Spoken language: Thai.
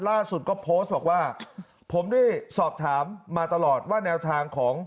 ล่าสุดก็โพสต์บอกว่าผมได้สอบถามมาตลอดว่าแนวทางของ